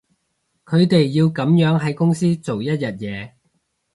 佢哋要噉樣喺公司做一日嘢